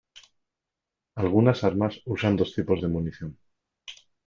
Algunas armas usan dos tipos de munición.